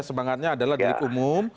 semangatnya adalah delik umum